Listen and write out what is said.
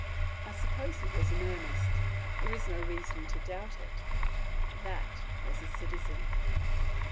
I suppose he was in earnest; there is no reason to doubt it. That was a citizen.